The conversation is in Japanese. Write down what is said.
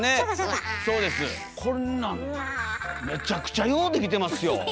こんなんめちゃくちゃよう出来てますよ！